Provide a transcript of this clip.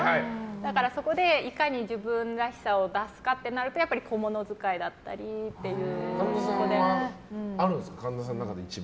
だから、そこでいかに自分らしさを出すかとなるとやっぱり小物使いだったりっていう。